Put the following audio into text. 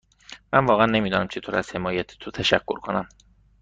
من واقعا نمی دانم چطور از حمایت تو تشکر کنم.